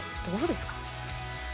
どうですか？